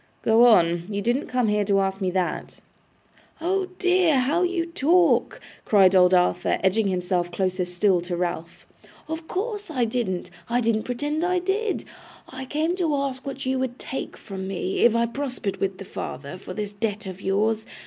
'Go on. You didn't come here to ask me that.' 'Oh dear, how you talk!' cried old Arthur, edging himself closer still to Ralph. 'Of course I didn't, I don't pretend I did! I came to ask what you would take from me, if I prospered with the father, for this debt of yours.